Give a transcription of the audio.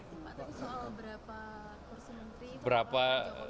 soal berapa kursus menteri berapa jokowi sudah menggerakkan